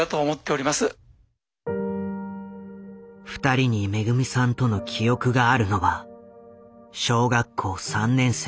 ２人にめぐみさんとの記憶があるのは小学校３年生まで。